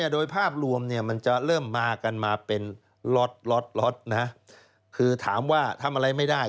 โดยภาพรวมมันจะเริ่มมากันมาเป็นล็อตคือถามว่าทำอะไรไม่ได้